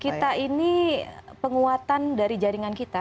kita ini penguatan dari jaringan kita